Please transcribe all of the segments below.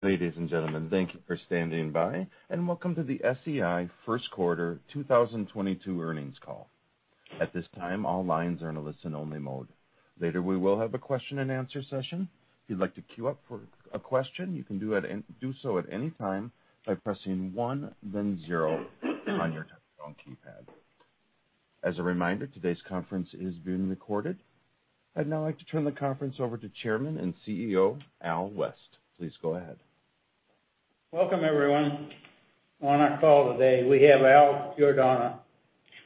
Ladies and gentlemen, thank you for standing by, and welcome to the SEI First Quarter 2022 Earnings Call. At this time, all lines are in a listen-only mode. Later, we will have a question-and-answer session. If you'd like to queue up for a question, you can do so at any time by pressing 1 then 0 on your phone keypad. As a reminder, today's conference is being recorded. I'd now like to turn the conference over to Chairman and CEO, Al West. Please go ahead. Welcome, everyone. On our call today we have Albert Chiaradonna,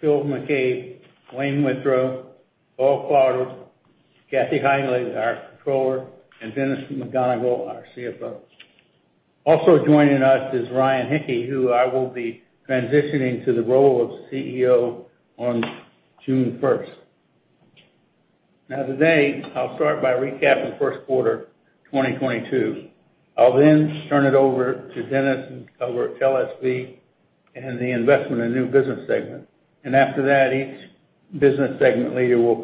Phil McCabe, Wayne Withrow, Paul Klauder, Kathy Heilig, our controller, and Dennis McGonigle, our CFO. Also joining us is Ryan Hicke, who I will be transitioning to the role of CEO on June first. Now, today, I'll start by recapping first quarter 2022. I'll then turn it over to Dennis to cover LSV and the investment in new business segment. After that, each business segment leader will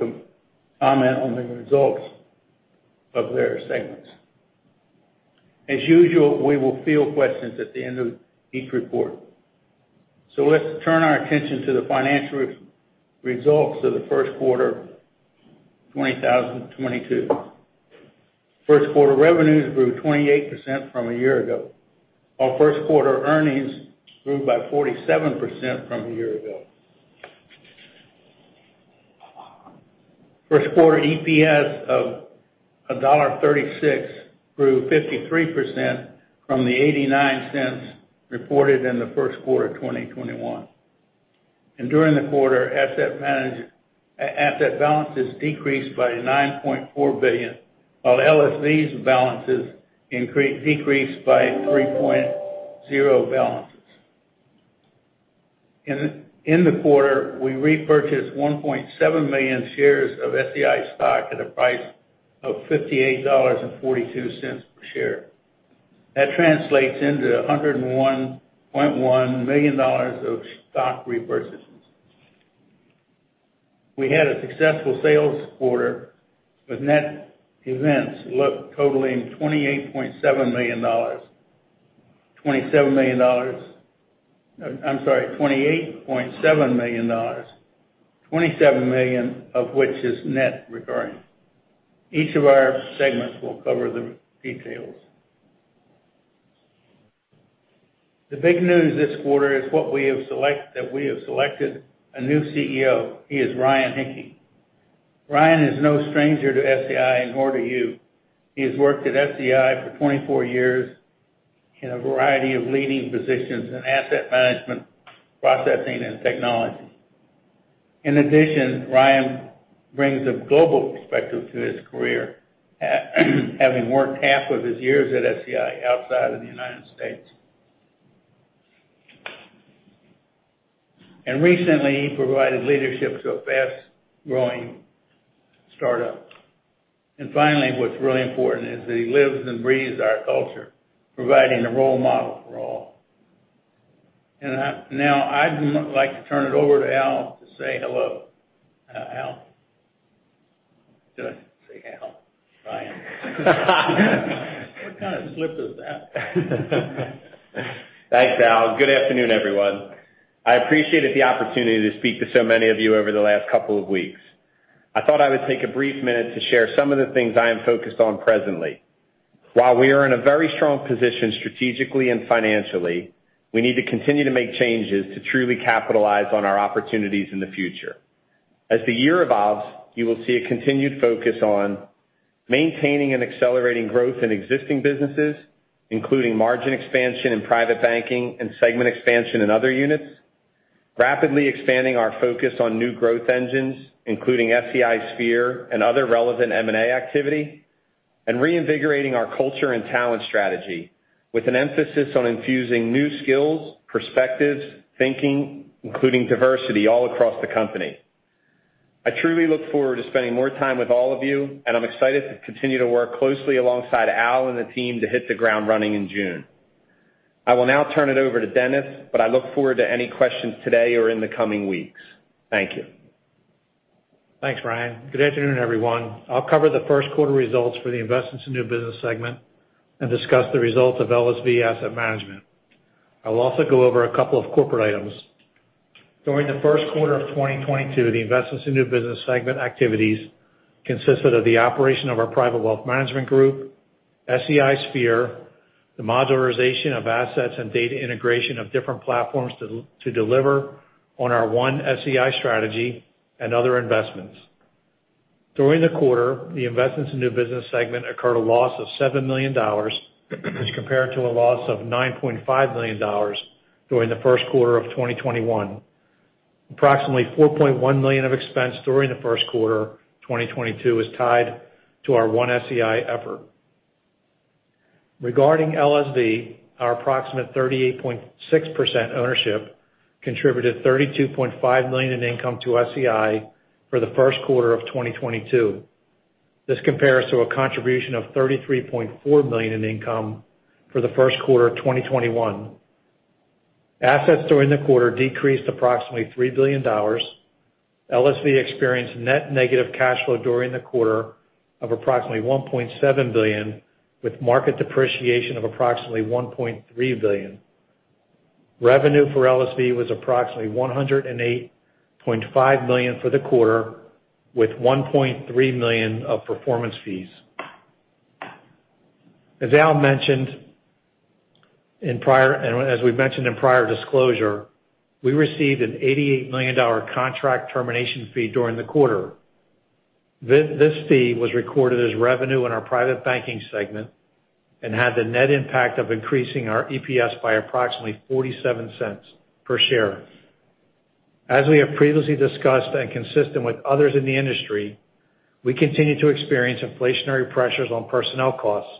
comment on the results of their segments. As usual, we will field questions at the end of each report. Let's turn our attention to the financial results of the first quarter 2022. First quarter revenues grew 28% from a year ago, while first quarter earnings grew by 47% from a year ago. First quarter EPS of $1.36 grew 53% from the $0.89 reported in the first quarter of 2021. During the quarter, asset balances decreased by $9.4 billion, while LSV's balances decreased by $3.0 billion. In the quarter, we repurchased 1.7 million shares of SEI stock at a price of $58.42 per share. That translates into $101.1 million of stock repurchases. We had a successful sales quarter, with net inflows totaling $28.7 million, $27 million of which is net recurring. Each of our segments will cover the details. The big news this quarter is that we have selected a new CEO. He is Ryan Hicke. Ryan is no stranger to SEI, nor to you. He has worked at SEI for 24 years in a variety of leading positions in asset management, processing and technology. In addition, Ryan brings a global perspective to his career, having worked half of his years at SEI outside of the United States. Recently, he provided leadership to a fast-growing startup. Finally, what's really important is that he lives and breathes our culture, providing a role model for all. Now I'd like to turn it over to Al to say hello. Al. Did I say Al? Ryan. What kind of slip is that? Thanks, Al. Good afternoon, everyone. I appreciated the opportunity to speak to so many of you over the last couple of weeks. I thought I would take a brief minute to share some of the things I am focused on presently. While we are in a very strong position strategically and financially, we need to continue to make changes to truly capitalize on our opportunities in the future. As the year evolves, you will see a continued focus on maintaining and accelerating growth in existing businesses, including margin expansion in private banking and segment expansion in other units, rapidly expanding our focus on new growth engines, including SEI Sphere and other relevant M&A activity, and reinvigorating our culture and talent strategy with an emphasis on infusing new skills, perspectives, thinking, including diversity all across the company. I truly look forward to spending more time with all of you, and I'm excited to continue to work closely alongside Al and the team to hit the ground running in June. I will now turn it over to Dennis, but I look forward to any questions today or in the coming weeks. Thank you. Thanks, Ryan. Good afternoon, everyone. I'll cover the first quarter results for the Investments in New Business segment and discuss the results of LSV Asset Management. I will also go over a couple of corporate items. During the first quarter of 2022, the Investments in New Business segment activities consisted of the operation of our Private Wealth Management group, SEI Sphere, the modularization of assets and data integration of different platforms to deliver on our One SEI strategy and other investments. During the quarter, the Investments in New Business segment incurred a loss of $7 million as compared to a loss of $9.5 million during the first quarter of 2021. Approximately $4.1 million of expense during the first quarter 2022 is tied to our One SEI effort. Regarding LSV, our approximate 38.6% ownership contributed $32.5 million in income to SEI for the first quarter of 2022. This compares to a contribution of $33.4 million in income for the first quarter of 2021. Assets during the quarter decreased approximately $3 billion. LSV experienced net negative cash flow during the quarter of approximately $1.7 billion, with market depreciation of approximately $1.3 billion. Revenue for LSV was approximately $108.5 million for the quarter, with $1.3 million of performance fees. As Al mentioned in prior disclosure, we received an $88 million contract termination fee during the quarter. This fee was recorded as revenue in our private banking segment and had the net impact of increasing our EPS by approximately $0.47 per share. As we have previously discussed and consistent with others in the industry, we continue to experience inflationary pressures on personnel costs.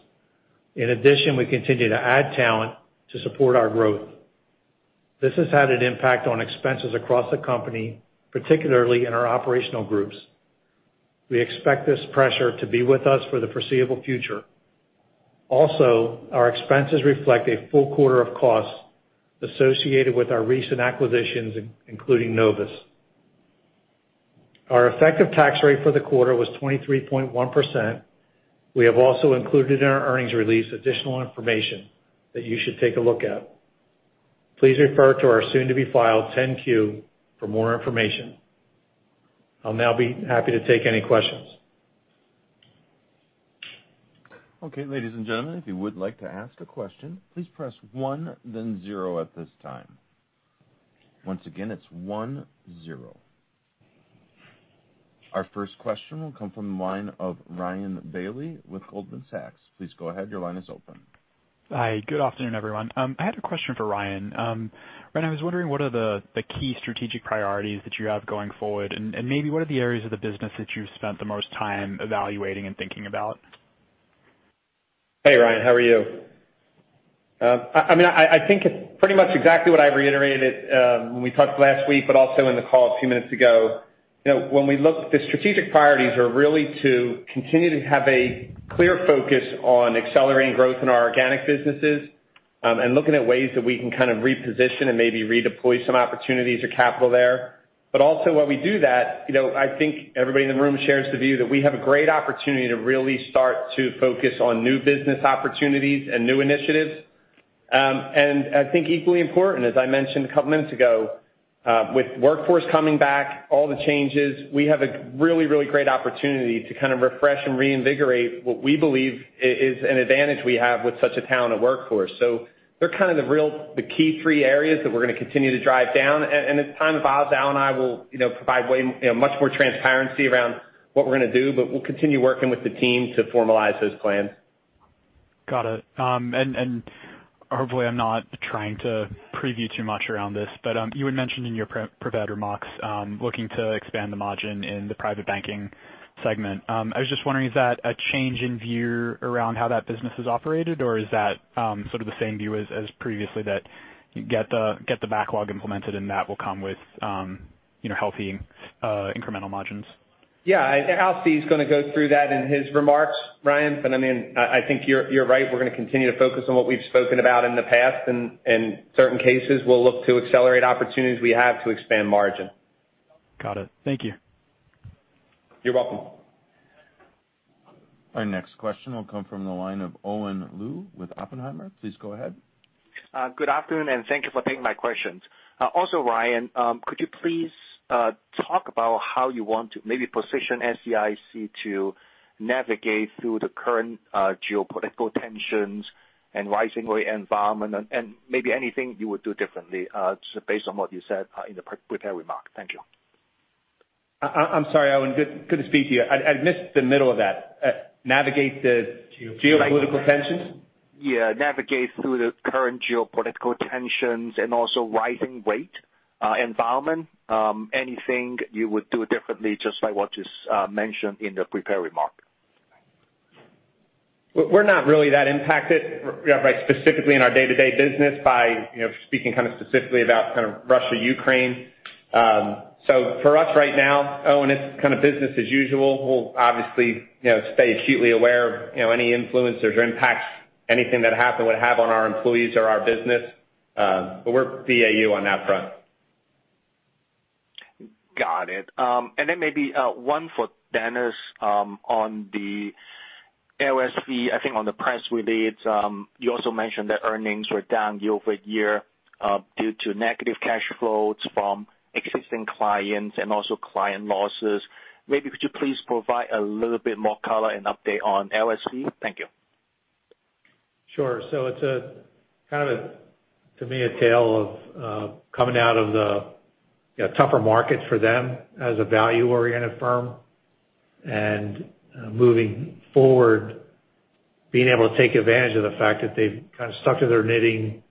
In addition, we continue to add talent to support our growth. This has had an impact on expenses across the company, particularly in our operational groups. We expect this pressure to be with us for the foreseeable future. Also, our expenses reflect a full quarter of costs associated with our recent acquisitions, including Novus. Our effective tax rate for the quarter was 23.1%. We have also included in our earnings release additional information that you should take a look at. Please refer to our soon-to-be filed 10-Q for more information. I'll now be happy to take any questions. Our first question will come from the line of Ryan Bailey with Goldman Sachs. Please go ahead. Your line is open. Hi, good afternoon, everyone. I had a question for Ryan. Ryan, I was wondering what are the key strategic priorities that you have going forward? Maybe what are the areas of the business that you've spent the most time evaluating and thinking about? Hey, Ryan. How are you? I mean, I think it's pretty much exactly what I reiterated when we talked last week, but also in the call a few minutes ago. You know, when we look, the strategic priorities are really to continue to have a clear focus on accelerating growth in our organic businesses, and looking at ways that we can kind of reposition and maybe redeploy some opportunities or capital there. While we do that, you know, I think everybody in the room shares the view that we have a great opportunity to really start to focus on new business opportunities and new initiatives. I think equally important, as I mentioned a couple minutes ago, with workforce coming back, all the changes, we have a really great opportunity to kind of refresh and reinvigorate what we believe is an advantage we have with such a talented workforce. They're kind of the key three areas that we're gonna continue to drive down. In time, Al and I will, you know, provide way, you know, much more transparency around what we're gonna do, but we'll continue working with the team to formalize those plans. Got it. Hopefully I'm not trying to preview too much around this, but you had mentioned in your pre-prepared remarks, looking to expand the margin in the private banking segment. I was just wondering, is that a change in view around how that business is operated or is that sort of the same view as previously that you get the backlog implemented and that will come with you know, healthy incremental margins? Yeah. Al's gonna go through that in his remarks, Ryan, but I mean, I think you're right. We're gonna continue to focus on what we've spoken about in the past. In certain cases, we'll look to accelerate opportunities we have to expand margin. Got it. Thank you. You're welcome. Our next question will come from the line of Owen Lau with Oppenheimer. Please go ahead. Good afternoon, and thank you for taking my questions. Also, Ryan, could you please talk about how you want to maybe position SEIC to navigate through the current geopolitical tensions and rising rate environment and maybe anything you would do differently just based on what you said in the pre-prepared remarks. Thank you. I'm sorry, Owen. Good to speak to you. I missed the middle of that. Navigate the- Geopolitical tensions. Geopolitical tensions? Yeah, navigate through the current geopolitical tensions and also rising rate environment. Anything you would do differently just by what is mentioned in the prepared remarks. We're not really that impacted, right, specifically in our day-to-day business by, you know, speaking kind of specifically about kind of Russia, Ukraine. For us right now, Owen, it's kind of business as usual. We'll obviously, you know, stay acutely aware of, you know, any influences or impacts, anything that happened would have on our employees or our business. We're BAU on that front. Got it. Maybe one for Dennis on the LSV. I think on the press release you also mentioned that earnings were down year over year due to negative cash flows from existing clients and also client losses. Maybe could you please provide a little bit more color and update on LSV? Thank you. Sure. It's a kind of, to me, a tale of coming out of the, you know, tougher markets for them as a value-oriented firm. Moving forward, being able to take advantage of the fact that they've kind of stuck to their knitting,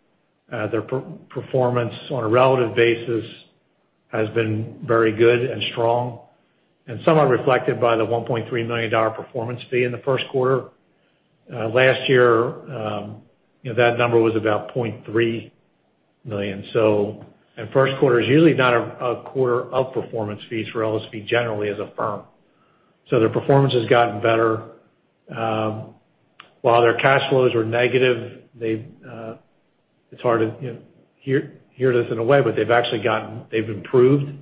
their performance on a relative basis has been very good and strong, and somewhat reflected by the $1.3 million performance fee in the first quarter. Last year, you know, that number was about $0.3 million. First quarter is usually not a quarter of performance fees for LSV generally as a firm. Their performance has gotten better. While their cash flows were negative, they've. It's hard to, you know, hear this in a way, but they've actually improved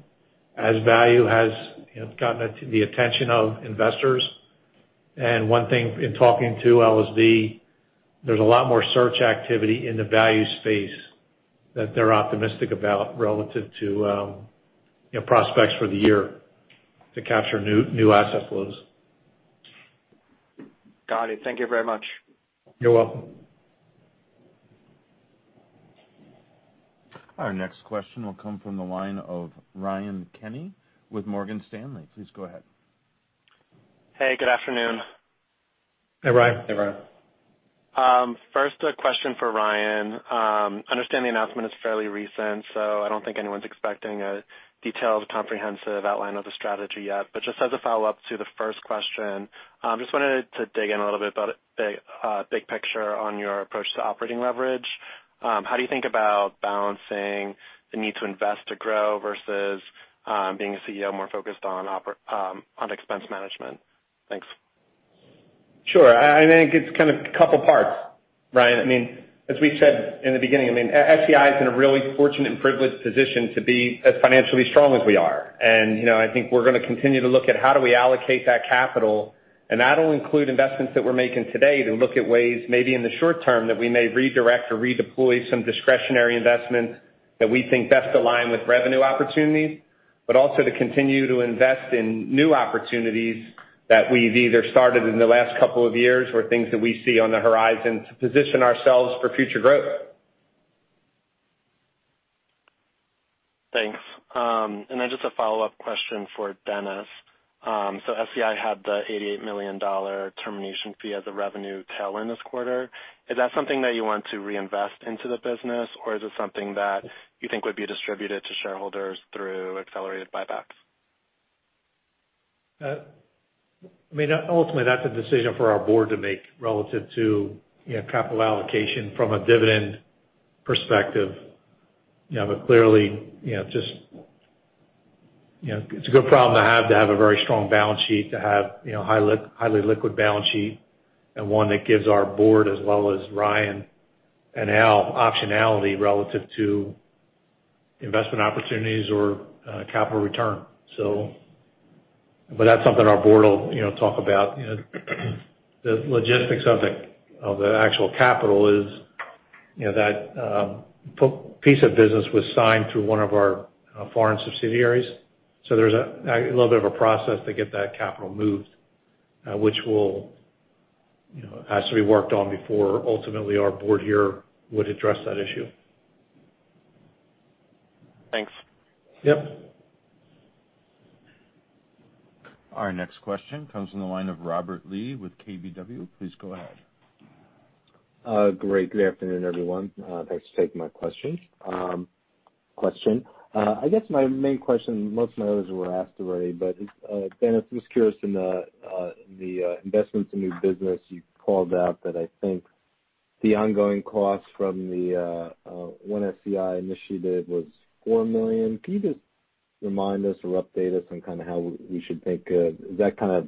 as value has, you know, gotten it to the attention of investors. One thing in talking to LSV, there's a lot more search activity in the value space that they're optimistic about relative to prospects for the year to capture new asset flows. Got it. Thank you very much. You're welcome. Our next question will come from the line of Ryan Kenny with Morgan Stanley. Please go ahead. Hey, good afternoon. Hey, Ryan. Hey, Ryan. First, a question for Ryan. I understand the announcement is fairly recent, so I don't think anyone's expecting a detailed comprehensive outline of the strategy yet. Just as a follow-up to the first question, I just wanted to dig in a little bit about the big picture on your approach to operating leverage. How do you think about balancing the need to invest to grow versus being a CEO more focused on expense management? Thanks. Sure. I think it's kind of couple parts, Ryan. I mean, as we said in the beginning, I mean, SEI is in a really fortunate and privileged position to be as financially strong as we are. You know, I think we're gonna continue to look at how do we allocate that capital. That'll include investments that we're making today to look at ways maybe in the short term that we may redirect or redeploy some discretionary investments that we think best align with revenue opportunities, but also to continue to invest in new opportunities that we've either started in the last couple of years or things that we see on the horizon to position ourselves for future growth. Thanks. Just a follow-up question for Dennis. SEI had the $88 million termination fee as a revenue tailwind this quarter. Is that something that you want to reinvest into the business, or is it something that you think would be distributed to shareholders through accelerated buybacks? I mean, ultimately, that's a decision for our board to make relative to, you know, capital allocation from a dividend perspective. You know, but clearly, you know, just, you know, it's a good problem to have to have a very strong balance sheet, to have, you know, highly liquid balance sheet and one that gives our board as well as Ryan and Al optionality relative to investment opportunities or, capital return. But that's something our board will, you know, talk about. You know, the logistics of the actual capital is, you know, that piece of business was signed through one of our foreign subsidiaries. There's a little bit of a process to get that capital moved, which has to be worked on before ultimately our board here would address that issue. Thanks. Yep. Our next question comes from the line of Robert Lee with KBW. Please go ahead. Great. Good afternoon, everyone. Thanks for taking my question. I guess my main question, most of my others were asked already, but Dennis, I'm just curious in the investments in new business, you called out that I think the ongoing costs from the One SEI initiative was $4 million. Can you just remind us or update us on how we should think of. Is that kind of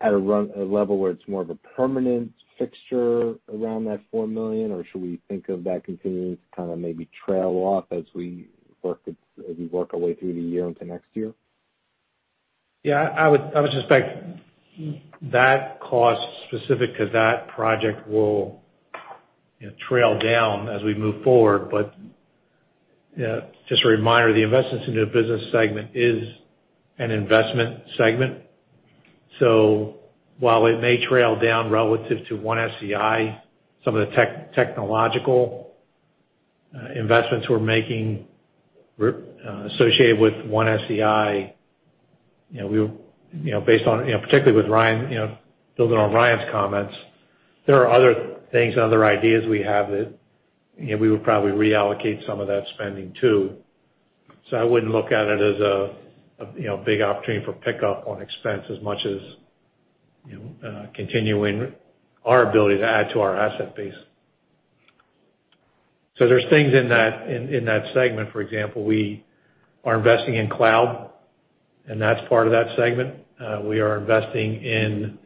at a level where it's more of a permanent fixture around that $4 million, or should we think of that continuing to kinda maybe trail off as we work our way through the year into next year? Yeah, I would suspect that cost specific to that project will, you know, trail down as we move forward. But, you know, just a reminder, the investments into business segment is an investment segment. So while it may trail down relative to One SEI, some of the technological investments we're making associated with One SEI, you know, we, you know, based on, you know, particularly with Ryan, you know, building on Ryan's comments, there are other things and other ideas we have that, you know, we would probably reallocate some of that spending too. So I wouldn't look at it as a, you know, big opportunity for pickup on expense as much as, you know, continuing our ability to add to our asset base. So there's things in that segment, for example, we are investing in cloud, and that's part of that segment. We are investing in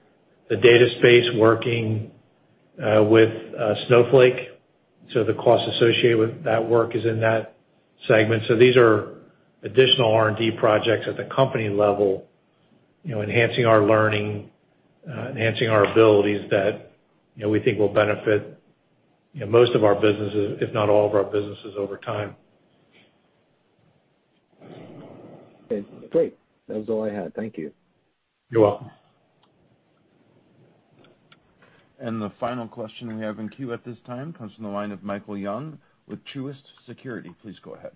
the data space, working with Snowflake. The costs associated with that work is in that segment. These are additional R&D projects at the company level, you know, enhancing our learning, enhancing our abilities that, you know, we think will benefit, you know, most of our businesses, if not all of our businesses over time. Okay, great. That was all I had. Thank you. You're welcome. The final question we have in queue at this time comes from the line of Michael Young with Truist Securities. Please go ahead.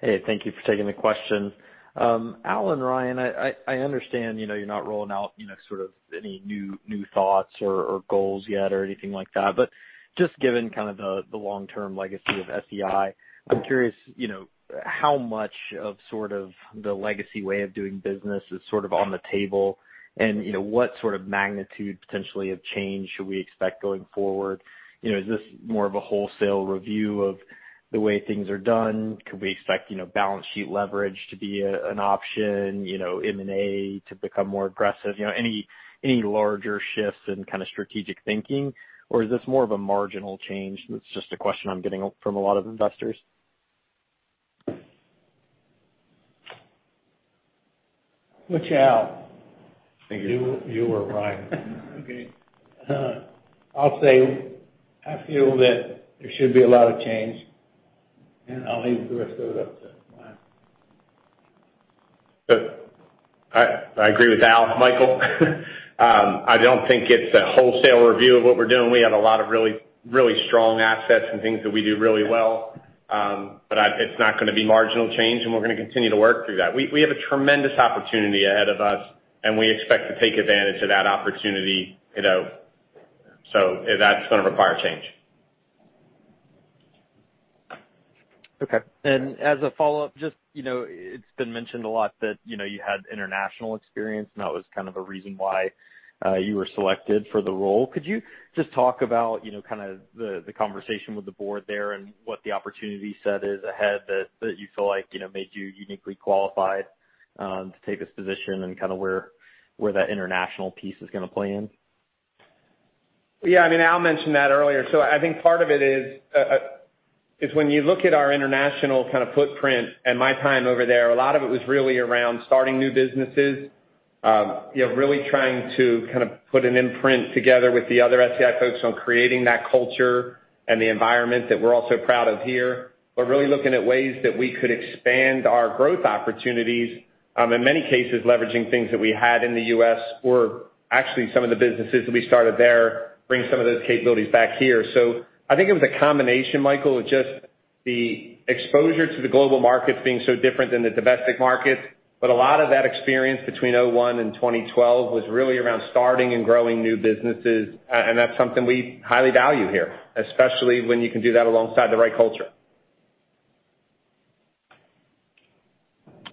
Hey, thank you for taking the question. Al and Ryan, I understand, you know, you're not rolling out, you know, sort of any new thoughts or goals yet or anything like that. Just given kind of the long-term legacy of SEI, I'm curious, you know, how much of sort of the legacy way of doing business is sort of on the table and, you know, what sort of magnitude potentially of change should we expect going forward? You know, is this more of a wholesale review of the way things are done? Could we expect, you know, balance sheet leverage to be an option, you know, M&A to become more aggressive? You know, any larger shifts in kind of strategic thinking, or is this more of a marginal change? That's just a question I'm getting from a lot of investors. What's Al? Thank you. You were right. Okay. I'll say I feel that there should be a lot of change, and I'll leave the rest of it up to Al. Good. I agree with Al, Michael. I don't think it's a wholesale review of what we're doing. We have a lot of really strong assets and things that we do really well. It's not gonna be marginal change, and we're gonna continue to work through that. We have a tremendous opportunity ahead of us, and we expect to take advantage of that opportunity, you know. That's gonna require change. Okay. As a follow-up, just, you know, it's been mentioned a lot that, you know, you had international experience, and that was kind of a reason why, you were selected for the role. Could you just talk about, you know, kinda the conversation with the board there and what the opportunity set is ahead that you feel like, you know, made you uniquely qualified, to take this position and kinda where that international piece is gonna play in? Yeah, I mean, Al mentioned that earlier. I think part of it is when you look at our international kind of footprint and my time over there, a lot of it was really around starting new businesses, you know, really trying to kind of put an imprint together with the other SEI folks on creating that culture and the environment that we're all so proud of here, but really looking at ways that we could expand our growth opportunities, in many cases, leveraging things that we had in the U.S. or actually some of the businesses that we started there, bring some of those capabilities back here. I think it was a combination, Michael, of just the exposure to the global markets being so different than the domestic markets. A lot of that experience between 2001 and 2012 was really around starting and growing new businesses, and that's something we highly value here, especially when you can do that alongside the right culture.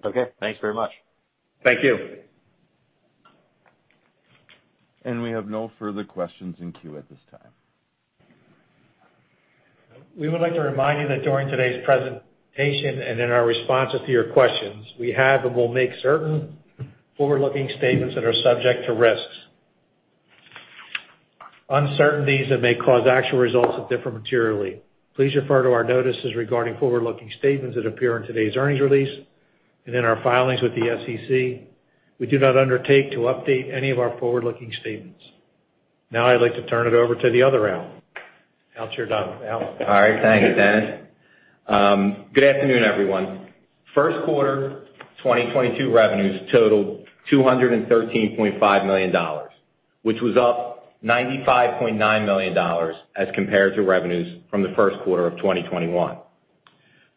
Okay. Thanks very much. Thank you. We have no further questions in queue at this time. We would like to remind you that during today's presentation and in our responses to your questions, we have and will make certain forward-looking statements that are subject to risks, uncertainties that may cause actual results to differ materially. Please refer to our notices regarding forward-looking statements that appear in today's earnings release and in our filings with the SEC. We do not undertake to update any of our forward-looking statements. Now I'd like to turn it over to the other Al. Al Chiaradonna. Al? All right. Thank you, Dennis. Good afternoon, everyone. First quarter 2022 revenues totaled $213.5 million, which was up $95.9 million as compared to revenues from the first quarter of 2021.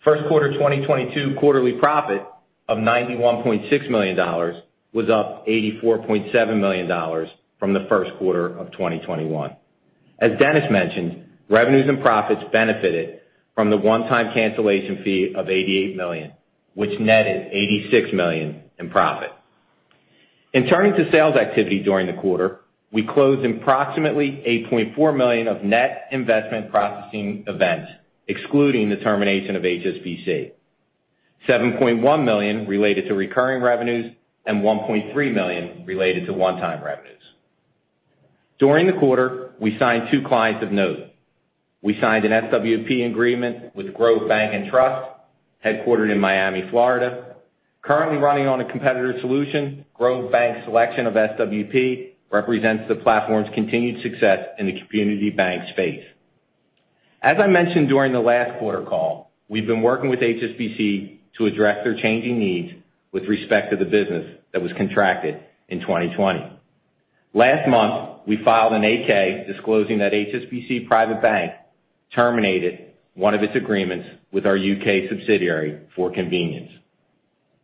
First quarter 2022 quarterly profit of $91.6 million was up $84.7 million from the first quarter of 2021. As Dennis mentioned, revenues and profits benefited from the one-time cancellation fee of $88 million, which netted $86 million in profit. In turning to sales activity during the quarter, we closed approximately $8.4 million of net investment processing events, excluding the termination of HSBC. $7.1 million related to recurring revenues and $1.3 million related to one-time revenues. During the quarter, we signed two clients of note. We signed an SWP agreement with Grove Bank & Trust, headquartered in Miami, Florida. Currently running on a competitor solution, Grove Bank & Trust's selection of SWP represents the platform's continued success in the community bank space. As I mentioned during the last quarter call, we've been working with HSBC to address their changing needs with respect to the business that was contracted in 2020. Last month, we filed an 8-K disclosing that HSBC Private Bank terminated one of its agreements with our U.K. subsidiary for convenience.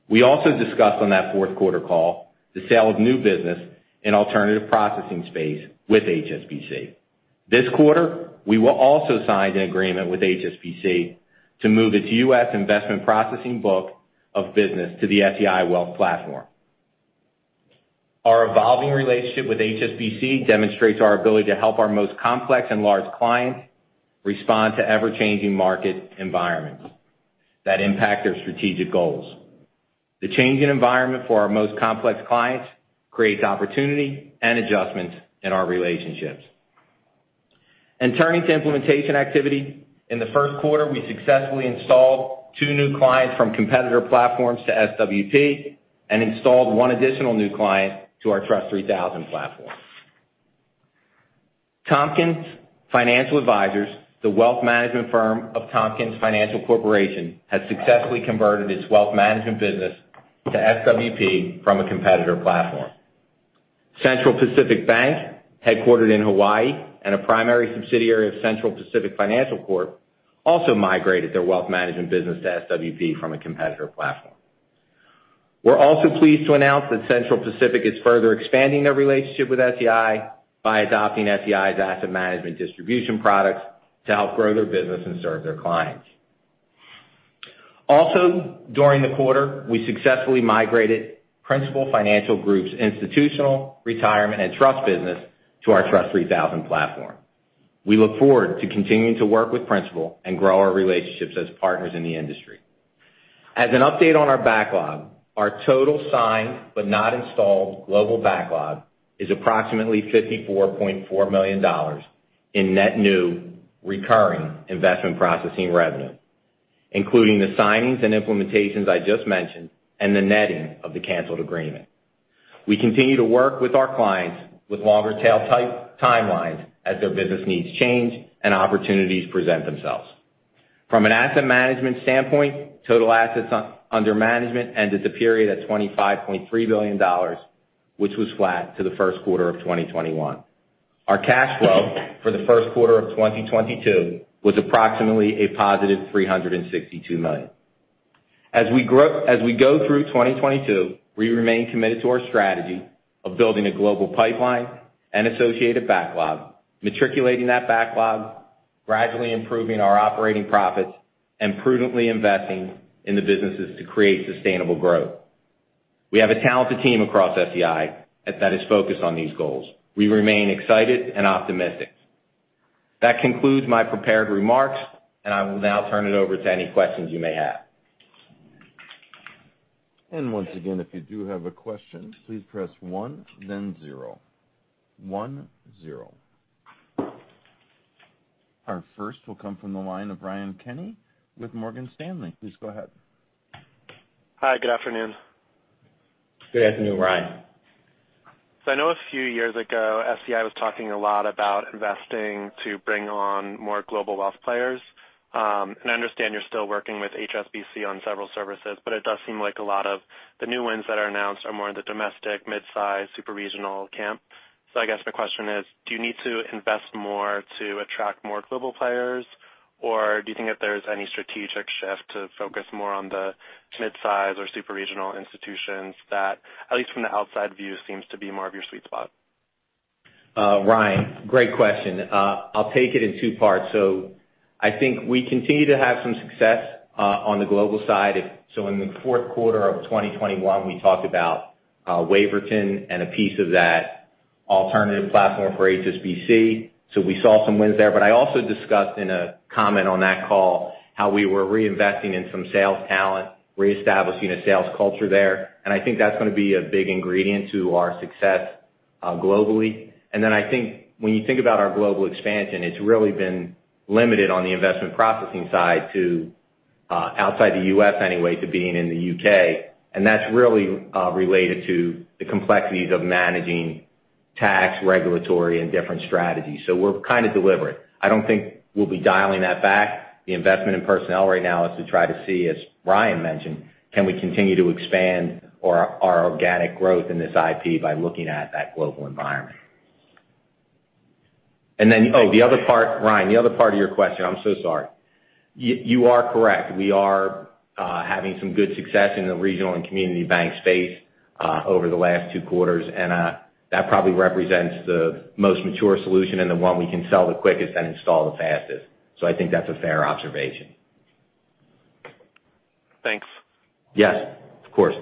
We also discussed on that fourth quarter call the sale of new business in alternative processing space with HSBC. This quarter, we will also sign an agreement with HSBC to move its U.S. investment processing book of business to the SEI Wealth Platform. Our evolving relationship with HSBC demonstrates our ability to help our most complex and large clients respond to ever-changing market environments that impact their strategic goals. The change in environment for our most complex clients creates opportunity and adjustments in our relationships. In turning to implementation activity, in the first quarter, we successfully installed two new clients from competitor platforms to SWP and installed one additional new client to our TRUST 3000 platform. Tompkins Financial Advisors, the wealth management firm of Tompkins Financial Corporation, has successfully converted its wealth management business to SWP from a competitor platform. Central Pacific Bank, headquartered in Hawaii and a primary subsidiary of Central Pacific Financial Corp, also migrated their wealth management business to SWP from a competitor platform. We're also pleased to announce that Central Pacific is further expanding their relationship with SEI by adopting SEI's asset management distribution products to help grow their business and serve their clients. Also, during the quarter, we successfully migrated Principal Financial Group's Institutional Retirement and Trust business to our TRUST 3000 platform. We look forward to continuing to work with Principal and grow our relationships as partners in the industry. As an update on our backlog, our total signed, but not installed global backlog is approximately $54.4 million in net new recurring investment processing revenue. Including the signings and implementations I just mentioned and the netting of the canceled agreement. We continue to work with our clients with longer tail type timelines as their business needs change and opportunities present themselves. From an asset management standpoint, total assets under management ended the period at $25.3 billion, which was flat to the first quarter of 2021. Our cash flow for the first quarter of 2022 was approximately a positive $362 million. As we go through 2022, we remain committed to our strategy of building a global pipeline and associated backlog, matriculating that backlog, gradually improving our operating profits, and prudently investing in the businesses to create sustainable growth. We have a talented team across SEI that is focused on these goals. We remain excited and optimistic. That concludes my prepared remarks, and I will now turn it over to any questions you may have. Our first question will come from the line of Ryan Kenny with Morgan Stanley. Please go ahead. Hi, good afternoon. Good afternoon, Ryan. I know a few years ago, SEI was talking a lot about investing to bring on more global wealth players. I understand you're still working with HSBC on several services, but it does seem like a lot of the new wins that are announced are more in the domestic, mid-size, super regional camp. I guess my question is, do you need to invest more to attract more global players, or do you think that there's any strategic shift to focus more on the mid-size or super regional institutions that, at least from the outside view, seems to be more of your sweet spot? Ryan, great question. I'll take it in two parts. I think we continue to have some success on the global side. In the fourth quarter of 2021, we talked about Waverton and a piece of that alternative platform for HSBC. We saw some wins there. I also discussed in a comment on that call how we were reinvesting in some sales talent, reestablishing a sales culture there. I think that's gonna be a big ingredient to our success globally. I think when you think about our global expansion, it's really been limited on the investment processing side to outside the U.S. anyway, to being in the U.K. That's really related to the complexities of managing tax, regulatory, and different strategies. We're kind of deliberate. I don't think we'll be dialing that back. The investment in personnel right now is to try to see, as Ryan mentioned, can we continue to expand our organic growth in this IP by looking at that global environment. Oh, the other part, Ryan, the other part of your question, I'm so sorry. You are correct. We are having some good success in the regional and community bank space over the last two quarters, and that probably represents the most mature solution and the one we can sell the quickest and install the fastest. I think that's a fair observation. Thanks. Yes, of course.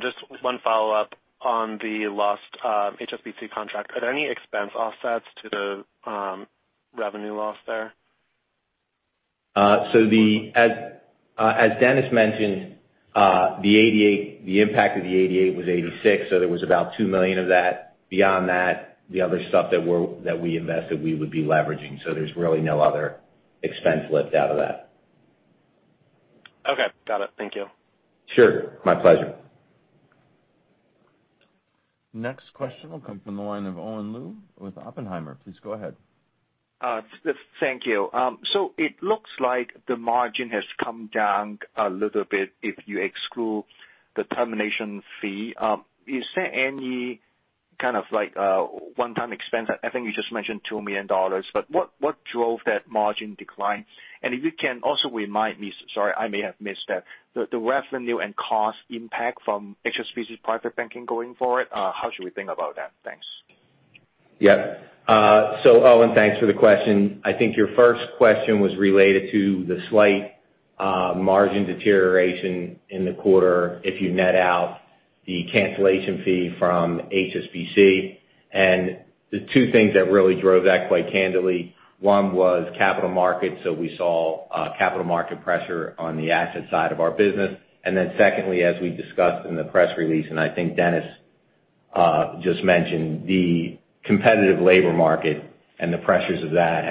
Just one follow-up on the lost HSBC contract. Are there any expense offsets to the revenue loss there? As Dennis mentioned, the impact of the 88 was 86, so there was about $2 million of that. Beyond that, the other stuff that we invested, we would be leveraging. There's really no other expense lift out of that. Okay. Got it. Thank you. Sure. My pleasure. Next question will come from the line of Owen Lau with Oppenheimer. Please go ahead. Thank you. So it looks like the margin has come down a little bit if you exclude the termination fee. Is there any kind of like one-time expense? I think you just mentioned $2 million, but what drove that margin decline? If you can also remind me, sorry, I may have missed that, the revenue and cost impact from HSBC's private banking going forward, how should we think about that? Thanks. Yeah. Owen, thanks for the question. I think your first question was related to the slight margin deterioration in the quarter if you net out the cancellation fee from HSBC. The two things that really drove that, quite candidly, one was capital markets. We saw capital market pressure on the asset side of our business. Then secondly, as we discussed in the press release, and I think Dennis just mentioned, the competitive labor market and the pressures of that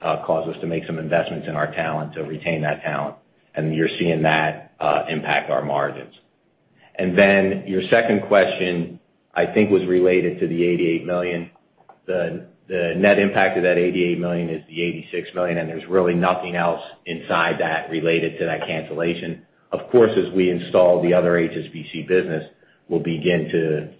have caused us to make some investments in our talent to retain that talent. You're seeing that impact our margins. Then your second question, I think, was related to the $88 million. The net impact of that $88 million is the $86 million, and there's really nothing else inside that related to that cancellation. Of course, as we install the other HSBC business, we'll begin to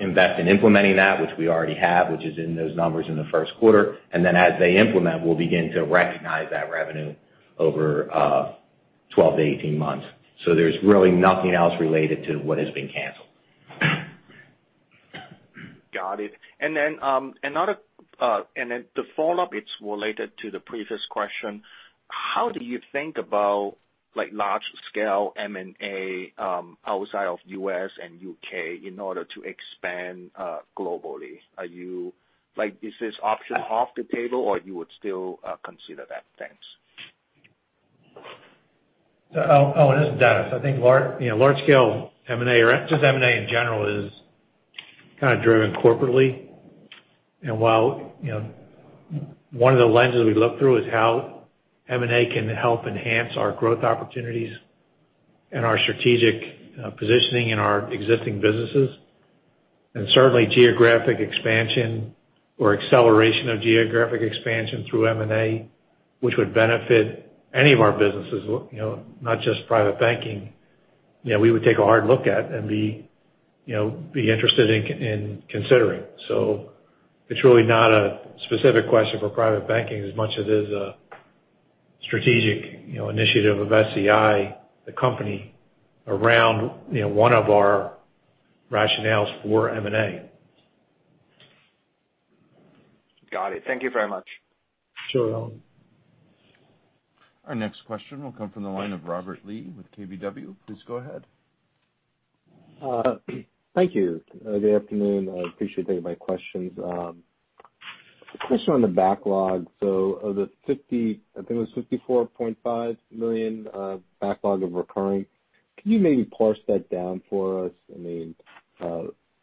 invest in implementing that, which we already have, which is in those numbers in the first quarter. Then as they implement, we'll begin to recognize that revenue over 12-18 months. There's really nothing else related to what has been canceled. Got it. The follow-up, it's related to the previous question. How do you think about like large-scale M&A outside of U.S. and U.K. in order to expand globally? Like, is this option off the table or would you still consider that? Thanks. Owen, this is Dennis. I think, you know, large scale M&A or just M&A in general is kind of driven corporately. While, you know, one of the lenses we look through is how M&A can help enhance our growth opportunities and our strategic positioning in our existing businesses, and certainly geographic expansion or acceleration of geographic expansion through M&A, which would benefit any of our businesses, you know, not just private banking. Yeah, we would take a hard look at and be, you know, interested in considering. It's really not a specific question for private banking as much as it is a strategic, you know, initiative of SEI, the company, around, you know, one of our rationales for M&A. Got it. Thank you very much. Sure. Our next question will come from the line of Robert Lee with KBW. Please go ahead. Thank you. Good afternoon. I appreciate you taking my questions. A question on the backlog. So of the 50, I think it was $54.5 million backlog of recurring, can you maybe parse that down for us? I mean,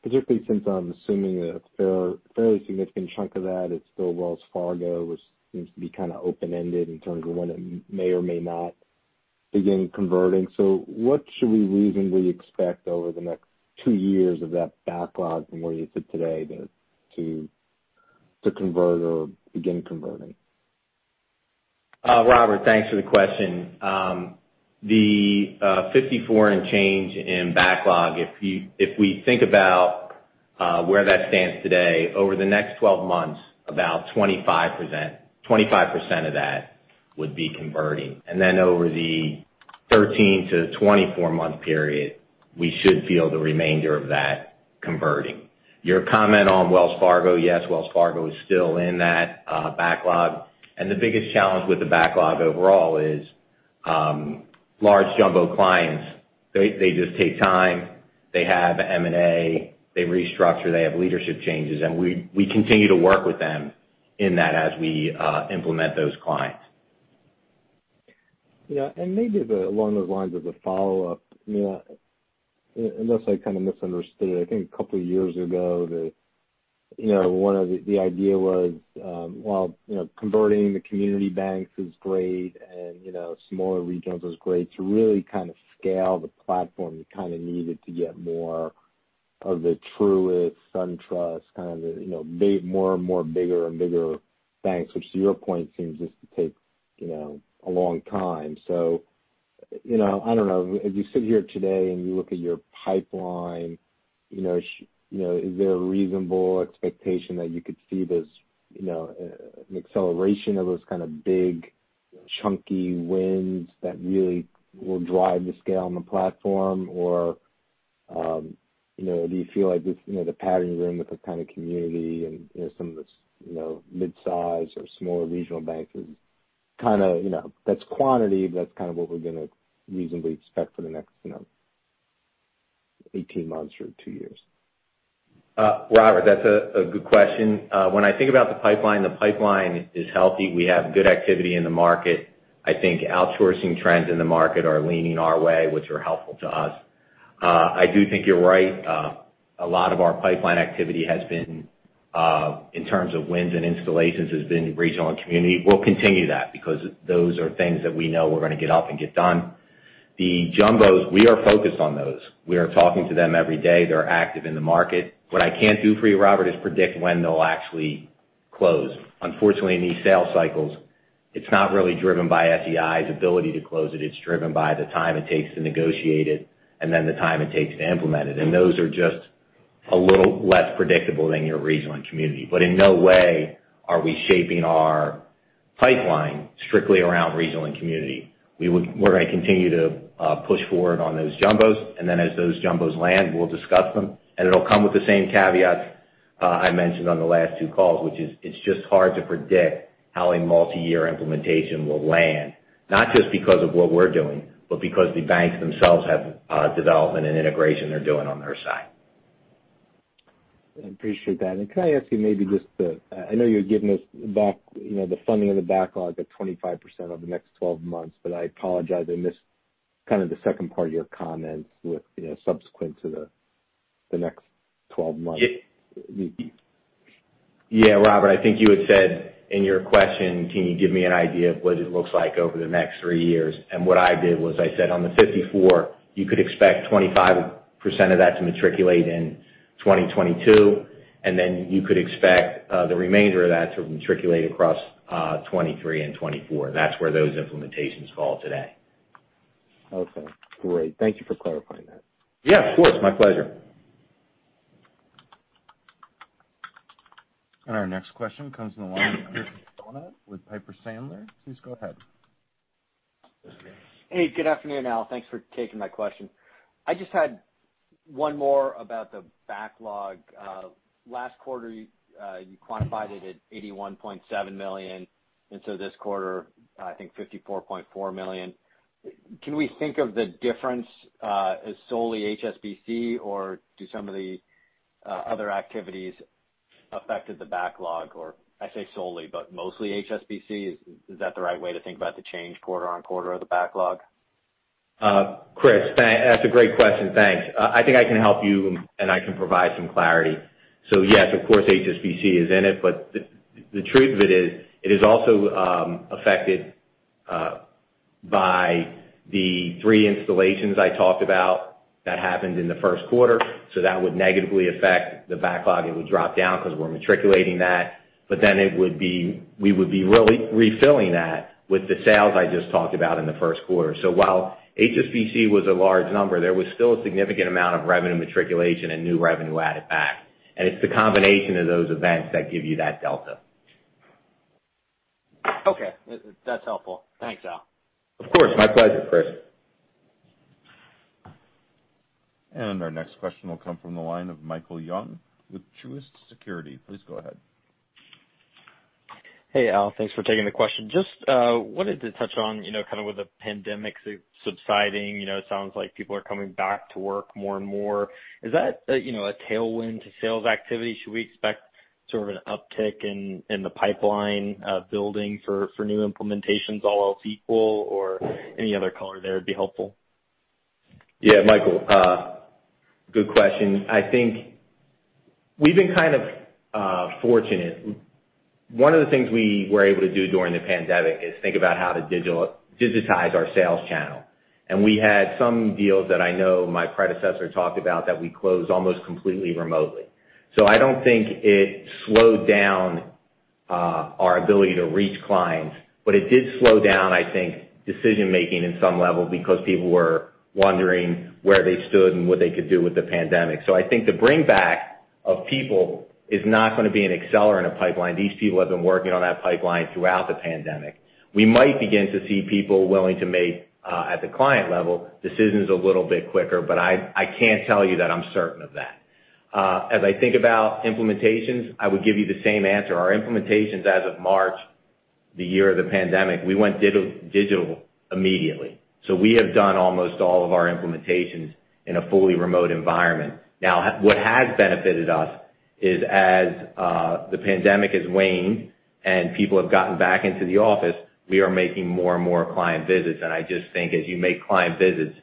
particularly since I'm assuming that a fairly significant chunk of that is still Wells Fargo, which seems to be kind of open-ended in terms of when it may or may not begin converting. So what should we reasonably expect over the next two years of that backlog from where you sit today to convert or begin converting? Robert, thanks for the question. The $54 million change in backlog, if we think about where that stands today, over the next 12 months, about 25% of that would be converting. Over the 13- to 24-month period, we should see the remainder of that converting. Your comment on Wells Fargo, yes, Wells Fargo is still in that backlog. The biggest challenge with the backlog overall is large jumbo clients. They just take time. They have M&A, they restructure, they have leadership changes, and we continue to work with them in that as we implement those clients. Yeah. Maybe, along those lines as a follow-up, you know, unless I kind of misunderstood, I think a couple of years ago, you know, one of the ideas was, while, you know, converting the community banks is great and, you know, smaller regionals is great, to really kind of scale the platform, you kind of needed to get more of the Truist, SunTrust, kind of the, you know, big, more and more bigger and bigger banks. Which to your point seems just to take, you know, a long time. You know, I don't know. As you sit here today and you look at your pipeline, you know, is there a reasonable expectation that you could see this, you know, an acceleration of those kind of big chunky wins that really will drive the scale on the platform? You know, do you feel like this, you know, the partnering with the kind of community and, you know, some of the, you know, mid-size or smaller regional banks is kinda, you know, that's quantity, that's kind of what we're gonna reasonably expect for the next, you know, 18 months or two years? Robert, that's a good question. When I think about the pipeline, the pipeline is healthy. We have good activity in the market. I think outsourcing trends in the market are leaning our way, which are helpful to us. I do think you're right. A lot of our pipeline activity has been, in terms of wins and installations, regional and community. We'll continue that because those are things that we know we're gonna get up and get done. The jumbos, we are focused on those. We are talking to them every day. They're active in the market. What I can't do for you, Robert, is predict when they'll actually close. Unfortunately, in these sales cycles, it's not really driven by SEI's ability to close it. It's driven by the time it takes to negotiate it and then the time it takes to implement it. Those are just a little less predictable than your regional and community. In no way are we shaping our pipeline strictly around regional and community. We're gonna continue to push forward on those jumbos, and then as those jumbos land, we'll discuss them. It'll come with the same caveats I mentioned on the last two calls, which is it's just hard to predict how a multi-year implementation will land, not just because of what we're doing, but because the banks themselves have development and integration they're doing on their side. I appreciate that. Can I ask you maybe just the, I know you're giving us back, you know, the funding of the backlog at 25% over the next 12 months, but I apologize, I missed kind of the second part of your comments with, you know, subsequent to the next 12 months. It- You- Yeah, Robert, I think you had said in your question, can you give me an idea of what it looks like over the next three years? What I did was I said on the 54, you could expect 25% of that to materialize in 2022, and then you could expect the remainder of that to materialize across 2023 and 2024. That's where those implementations fall today. Okay. Great. Thank you for clarifying that. Yeah, of course. My pleasure. Our next question comes from the line of Chris with Piper Sandler. Please go ahead. Hey, good afternoon, Al. Thanks for taking my question. I just had one more about the backlog. Last quarter you quantified it at $81.7 million, and so this quarter, I think $54.4 million. Can we think of the difference as solely HSBC or do some of the other activities affected the backlog? Or I say solely, but mostly HSBC. Is that the right way to think about the change quarter-over-quarter of the backlog? Chris, that's a great question, thanks. I think I can help you, and I can provide some clarity. Yes, of course, HSBC is in it, but the truth of it is, it is also affected by the three installations I talked about that happened in the first quarter. That would negatively affect the backlog. It would drop down because we're materializing that. We would be really refilling that with the sales I just talked about in the first quarter. While HSBC was a large number, there was still a significant amount of revenue materialization and new revenue added back. It's the combination of those events that give you that delta. Okay. That's helpful. Thanks, Al. Of course. My pleasure, Chris. Our next question will come from the line of Michael Young with Truist Securities. Please go ahead. Hey, Al. Thanks for taking the question. Just wanted to touch on, you know, kind of with the pandemic subsiding, you know, it sounds like people are coming back to work more and more. Is that, you know, a tailwind to sales activity? Should we expect sort of an uptick in the pipeline building for new implementations all else equal, or any other color there would be helpful. Yeah, Michael, good question. I think we've been kind of fortunate. One of the things we were able to do during the pandemic is think about how to digitize our sales channel. We had some deals that I know my predecessor talked about that we closed almost completely remotely. I don't think it slowed down our ability to reach clients, but it did slow down, I think, decision-making in some level because people were wondering where they stood and what they could do with the pandemic. I think the bring back of people is not gonna be an accelerant of pipeline. These people have been working on that pipeline throughout the pandemic. We might begin to see people willing to make, at the client level, decisions a little bit quicker, but I can't tell you that I'm certain of that. As I think about implementations, I would give you the same answer. Our implementations as of March, the year of the pandemic, we went digital immediately. We have done almost all of our implementations in a fully remote environment. Now, what has benefited us is, as the pandemic has waned and people have gotten back into the office, we are making more and more client visits. I just think as you make client visits,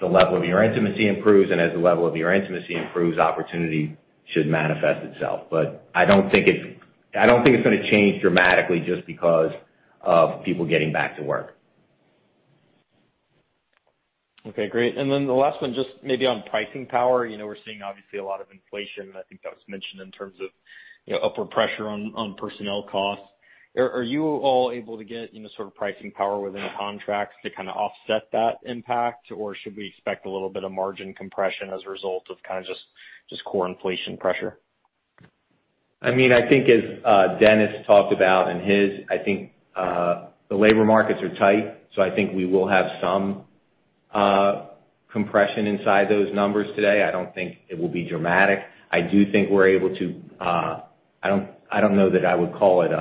the level of your intimacy improves, and as the level of your intimacy improves, opportunity should manifest itself. I don't think it's gonna change dramatically just because of people getting back to work. Okay, great. Then the last one, just maybe on pricing power. You know, we're seeing obviously a lot of inflation. I think that was mentioned in terms of, you know, upward pressure on personnel costs. Are you all able to get, you know, sort of pricing power within the contracts to kinda offset that impact? Or should we expect a little bit of margin compression as a result of kind of just core inflation pressure? I mean, I think as Dennis talked about. I think the labor markets are tight, so I think we will have some compression inside those numbers today. I don't think it will be dramatic. I do think we're able to. I don't know that I would call it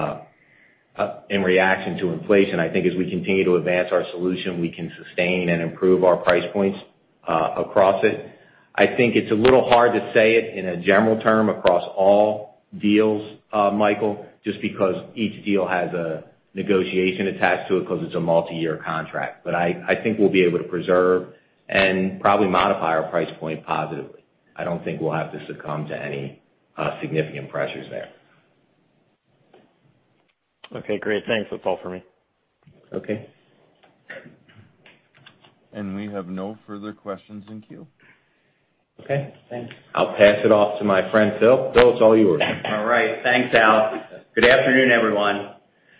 in reaction to inflation. I think as we continue to advance our solution, we can sustain and improve our price points across it. I think it's a little hard to say it in a general term across all deals, Michael, just because each deal has a negotiation attached to it 'cause it's a multi-year contract. I think we'll be able to preserve and probably modify our price point positively. I don't think we'll have to succumb to any significant pressures there. Okay, great. Thanks. That's all for me. Okay. We have no further questions in queue. Okay, thanks. I'll pass it off to my friend, Phil. Phil, it's all yours. All right. Thanks, Al. Good afternoon, everyone.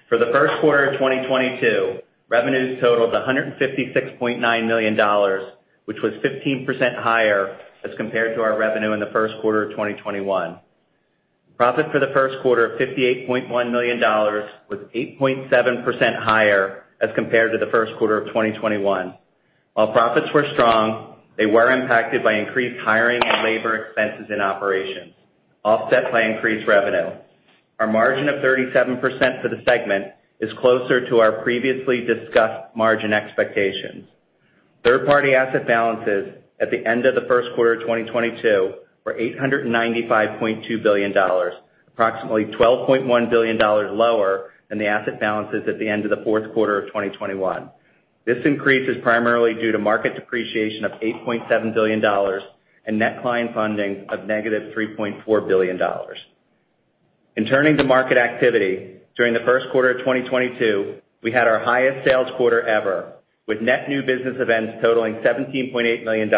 For the first quarter of 2022, revenues totaled $156.9 million, which was 15% higher as compared to our revenue in the first quarter of 2021. Profit for the first quarter of $58.1 million was 8.7% higher as compared to the first quarter of 2021. While profits were strong, they were impacted by increased hiring and labor expenses in operations, offset by increased revenue. Our margin of 37% for the segment is closer to our previously discussed margin expectations. Third-party asset balances at the end of the first quarter of 2022 were $895.2 billion, approximately $12.1 billion lower than the asset balances at the end of the fourth quarter of 2021. This increase is primarily due to market depreciation of $8.7 billion and net client funding of -$3.4 billion. In turning to market activity, during the first quarter of 2022, we had our highest sales quarter ever, with net new business events totaling $17.8 million,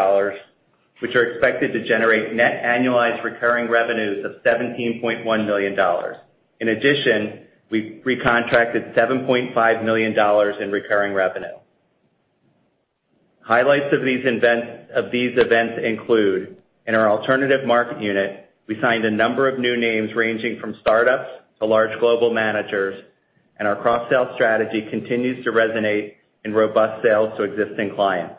which are expected to generate net annualized recurring revenues of $17.1 million. In addition, we recontracted $7.5 million in recurring revenue. Highlights of these events include, in our alternative market unit, we signed a number of new names ranging from startups to large global managers, and our cross-sell strategy continues to resonate in robust sales to existing clients.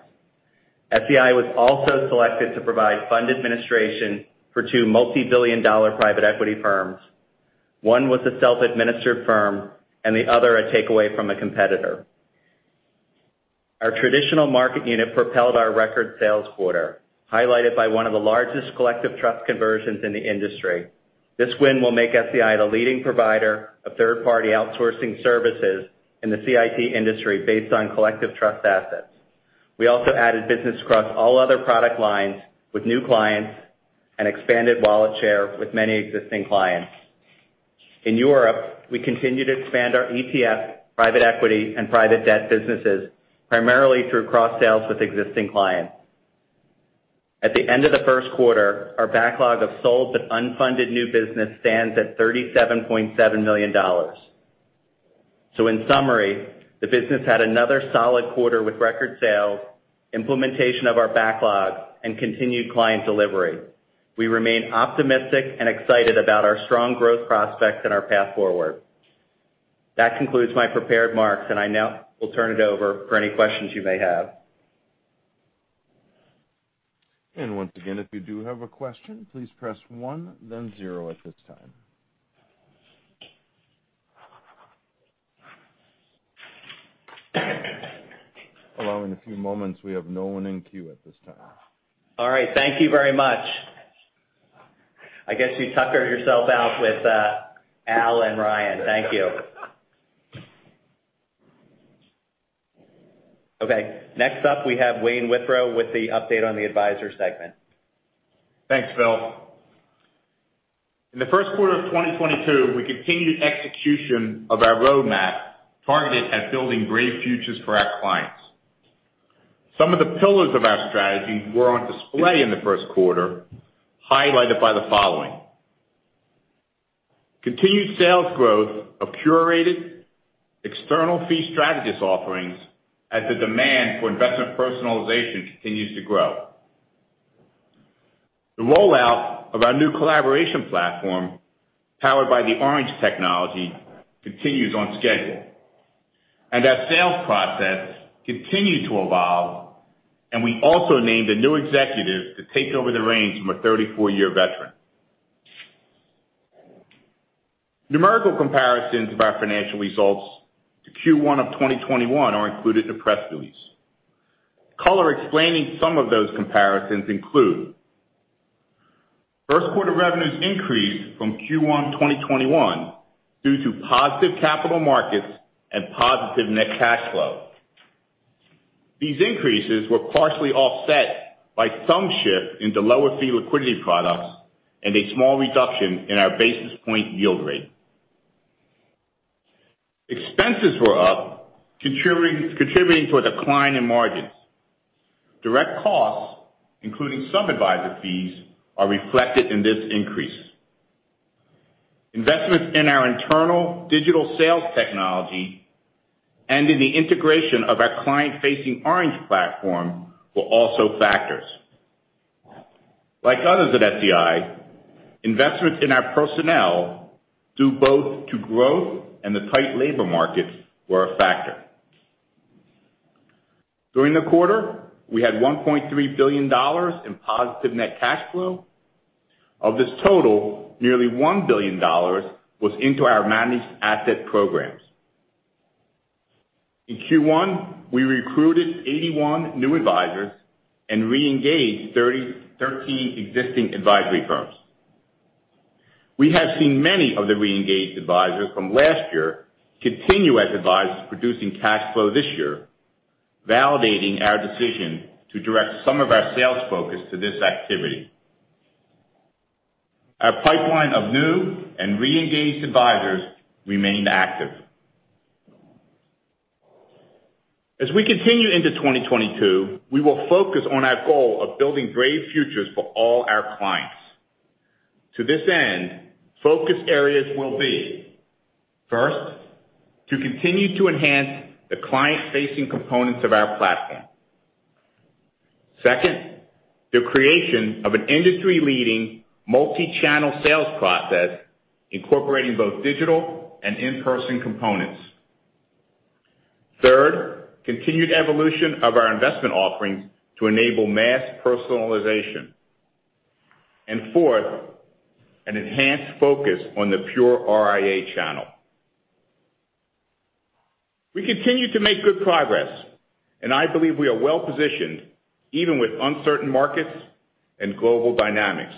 SEI was also selected to provide fund administration for two multi-billion-dollar private equity firms. One was a self-administered firm and the other a takeaway from a competitor. Our traditional market unit propelled our record sales quarter, highlighted by one of the largest collective trust conversions in the industry. This win will make SEI the leading provider of third-party outsourcing services in the CIT industry based on collective trust assets. We also added business across all other product lines with new clients and expanded wallet share with many existing clients. In Europe, we continue to expand our ETF, private equity, and private debt businesses primarily through cross sales with existing clients. At the end of the first quarter, our backlog of sold but unfunded new business stands at $37.7 million. In summary, the business had another solid quarter with record sales, implementation of our backlog, and continued client delivery. We remain optimistic and excited about our strong growth prospects and our path forward. That concludes my prepared remarks, and I now will turn it over for any questions you may have. And once again, if you do have a question, please press one then zero at this time. Hello, in a few moments. We have no one in queue at this time. All right. Thank you very much. I guess you tuckered yourself out with Al and Ryan. Thank you. Okay. Next up, we have Wayne Withrow with the update on the advisor segment. Thanks, Phil. In the first quarter of 2022, we continued execution of our roadmap targeted at building great futures for our clients. Some of the pillars of our strategy were on display in the first quarter, highlighted by the following. Continued sales growth of curated external fee strategies offerings as the demand for investment personalization continues to grow. The rollout of our new collaboration platform powered by the Oranj technology continues on schedule. Our sales process continued to evolve, and we also named a new executive to take over the reins from a 34-year veteran. Numerical comparisons of our financial results to Q1 of 2021 are included in the press release. Color explaining some of those comparisons include first quarter revenues increased from Q1 2021 due to positive capital markets and positive net cash flow. These increases were partially offset by some shift into lower fee liquidity products and a small reduction in our basis point yield rate. Expenses were up, contributing to a decline in margins. Direct costs, including some advisor fees, are reflected in this increase. Investments in our internal digital sales technology and in the integration of our client-facing Oranj platform were also factors. Like others at SEI, investments in our personnel due both to growth and the tight labor markets were a factor. During the quarter, we had $1.3 billion in positive net cash flow. Of this total, nearly $1 billion was into our managed asset programs. In Q1, we recruited 81 new advisors and re-engaged 13 existing advisory firms. We have seen many of the re-engaged advisors from last year continue as advisors producing cash flow this year, validating our decision to direct some of our sales focus to this activity. Our pipeline of new and re-engaged advisors remained active. As we continue into 2022, we will focus on our goal of building great futures for all our clients. To this end, focus areas will be, first, to continue to enhance the client-facing components of our platform. Second, the creation of an industry-leading multi-channel sales process incorporating both digital and in-person components. Third, continued evolution of our investment offerings to enable mass personalization. Fourth, an enhanced focus on the pure RIA channel. We continue to make good progress, and I believe we are well positioned even with uncertain markets and global dynamics.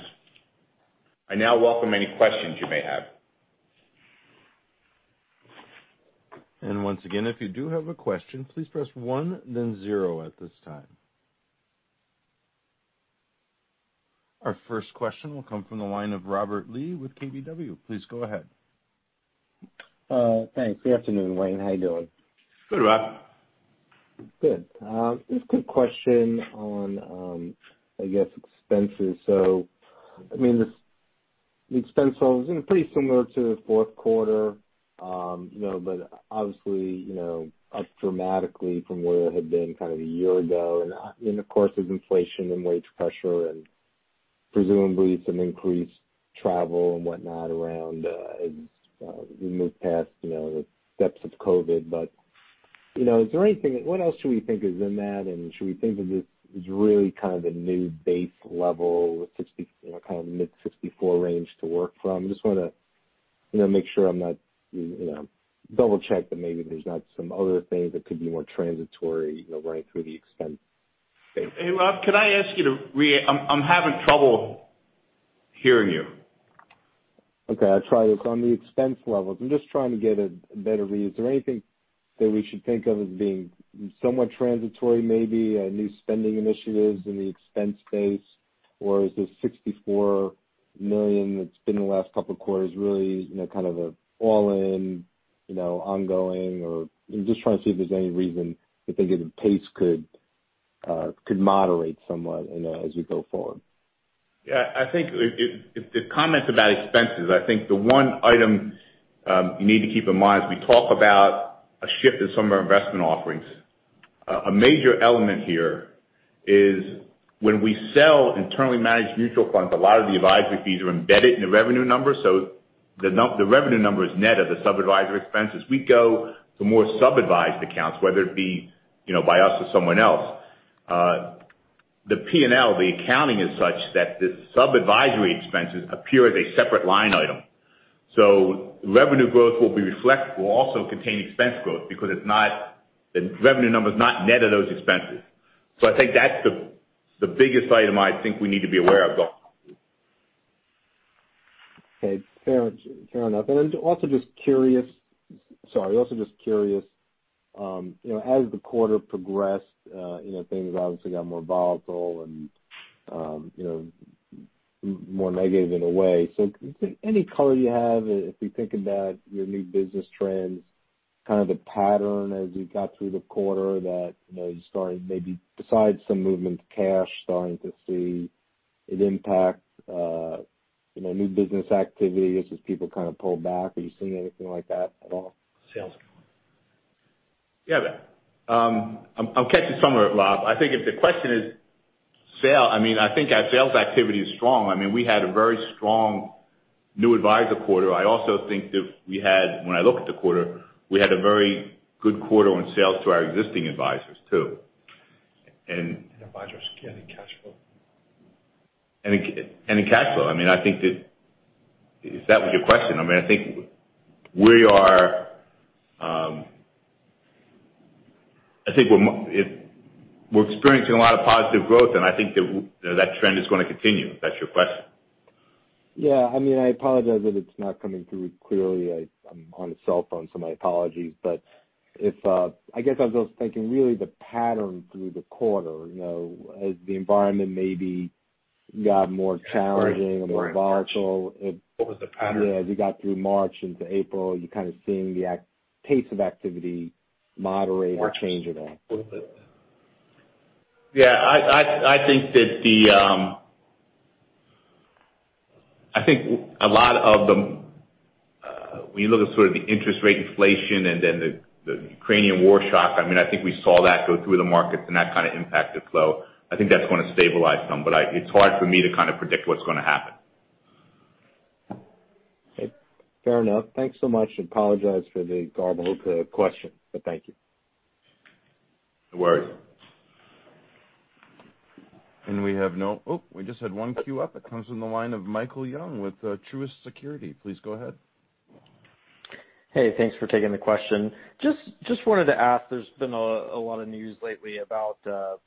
I now welcome any questions you may have. Once again, if you do have a question, please press one then zero at this time. Our first question will come from the line of Robert Lee with KBW. Please go ahead. Thanks. Good afternoon, Wayne. How you doing? Good, Rob. Good. Just a quick question on, I guess, expenses. I mean, this expense was pretty similar to the fourth quarter, you know, but obviously, you know, up dramatically from where it had been kind of a year ago. Of course, there's inflation and wage pressure and presumably some increased travel and whatnot around as we move past, you know, the depths of COVID. You know, is there anything? What else should we think is in that? Should we think of this as really kind of a new base level with $60, you know, kind of mid-$64 range to work from? You know, make sure I'm not, you know, double-check that maybe there's not some other things that could be more transitory, you know, running through the expense base. Hey, Rob, I'm having trouble hearing you. Okay, I'll try this. On the expense levels, I'm just trying to get a better read. Is there anything that we should think of as being somewhat transitory, maybe new spending initiatives in the expense base? Or is this $64 million that's been in the last couple of quarters really, you know, kind of an all-in, you know, ongoing or? I'm just trying to see if there's any reason to think that the pace could moderate somewhat, you know, as we go forward. Yeah, I think the comments about expenses. I think the one item you need to keep in mind as we talk about a shift in some of our investment offerings. A major element here is when we sell internally managed mutual funds, a lot of the advisory fees are embedded in the revenue numbers. So the revenue number is net of the sub-advisory expenses. We go to more sub-advised accounts, whether it be by us or someone else. The P&L, the accounting is such that the sub-advisory expenses appear as a separate line item. So revenue growth will also contain expense growth because the revenue number is not net of those expenses. So I think that's the biggest item I think we need to be aware of going forward. Okay. Fair enough. Also just curious, you know, as the quarter progressed, you know, things obviously got more volatile and, you know, more negative in a way. Any color you have, if you're thinking about your new business trends, kind of the pattern as we got through the quarter that, you know, you started maybe besides some movement of cash, starting to see it impact, you know, new business activities as people kind of pulled back. Are you seeing anything like that at all? Sales going. Yeah. I'm catching some of it, Rob. I think if the question is sales, I mean, I think our sales activity is strong. I mean, we had a very strong new advisor quarter. I also think that when I look at the quarter, we had a very good quarter on sales to our existing advisors too. Advisors getting cash flow. In cash flow. I mean, I think that if that was your question, I mean, if we're experiencing a lot of positive growth, then I think that, you know, that trend is gonna continue, if that's your question. I mean, I apologize if it's not coming through clearly. I'm on a cell phone, so my apologies. I guess I'm just thinking really the pattern through the quarter, you know, as the environment maybe got more challenging or more volatile. What was the pattern? Yeah. As you got through March into April, are you kind of seeing the pace of activity moderate or change at all? Yeah. I think a lot of the when you look at sort of the interest rate inflation and then the Ukrainian war shock, I mean, I think we saw that go through the markets, and that kind of impacted flow. I think that's gonna stabilize some, but it's hard for me to kind of predict what's gonna happen. Okay. Fair enough. Thanks so much. Apologize for the garbled question, but thank you. No worries. Oh, we just had one queue up. It comes from the line of Michael Young with Truist Securities. Please go ahead. Hey, thanks for taking the question. Just wanted to ask, there's been a lot of news lately about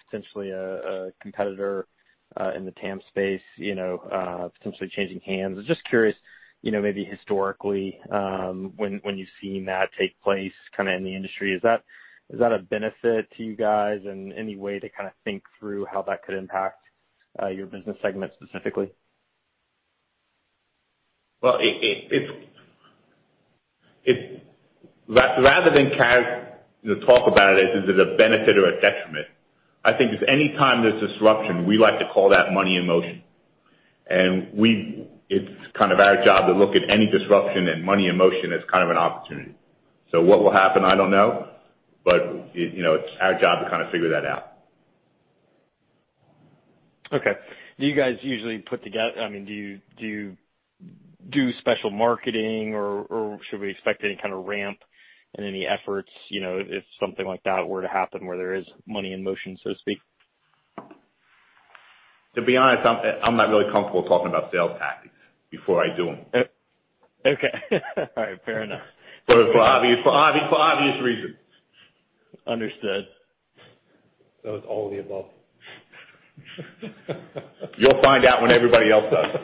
potentially a competitor in the TAMP space, you know, potentially changing hands. I'm just curious, you know, maybe historically, when you've seen that take place kind of in the industry, is that a benefit to you guys in any way to kind of think through how that could impact your business segment specifically? Well, rather than kind of, you know, talk about it as is it a benefit or a detriment, I think if any time there's disruption, we like to call that money in motion. It's kind of our job to look at any disruption and money in motion as kind of an opportunity. What will happen? I don't know. You know, it's our job to kind of figure that out. Okay. I mean, do you do special marketing or should we expect any kind of ramp in any efforts, you know, if something like that were to happen where there is money in motion, so to speak? To be honest, I'm not really comfortable talking about sales tactics before I do them. Okay. All right, fair enough. For obvious reasons. Understood. That was all of the above. You'll find out when everybody else does.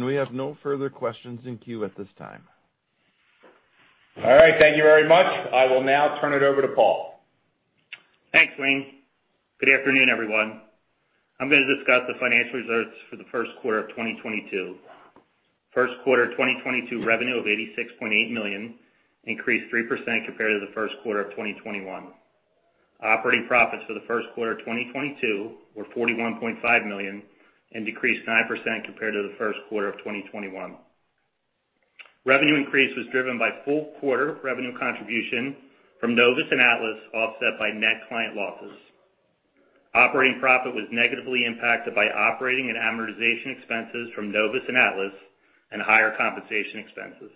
We have no further questions in queue at this time. All right. Thank you very much. I will now turn it over to Paul. Thanks, Wayne. Good afternoon, everyone. I'm gonna discuss the financial results for the first quarter of 2022. First quarter of 2022 revenue of $86.8 million increased 3% compared to the first quarter of 2021. Operating profits for the first quarter of 2022 were $41.5 million and decreased 9% compared to the first quarter of 2021. Revenue increase was driven by full quarter revenue contribution from Novus and Atlas, offset by net client losses. Operating profit was negatively impacted by operating and amortization expenses from Novus and Atlas and higher compensation expenses.